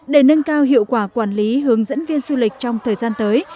để nâng cao hiệu quả quản lý hướng dẫn viên du lịch trong thời gian tới